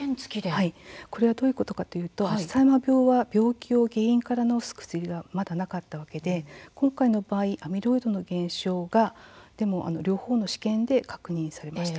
これはどういうことかというとアルツハイマー病は病気を原因から治す薬がまだなかったわけで今回の場合アミロイドβの減少が両方の試験で確認されました。